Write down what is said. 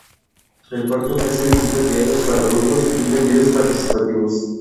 El parque ofrece visitas guiadas para grupos y talleres participativos.